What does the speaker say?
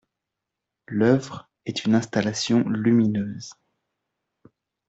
L'œuvre est une installation lumineuse.